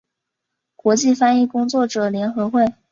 国际翻译工作者联合会